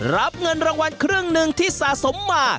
รับเงินรางวัลครึ่งหนึ่งที่สะสมมา